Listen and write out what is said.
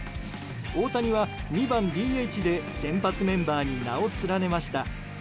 大谷は２番ＤＨで先発メンバーに名を連ねました。